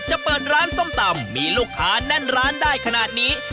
เปิดร้านส้มตำมีลูกค้าแน่นร้านได้ขนาดนี้